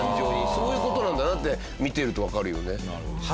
そういう事なんだなって見てるとわかるよね。